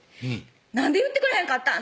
「なんで言ってくれへんかったん？